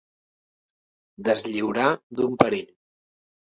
Deslliurar d'un perill.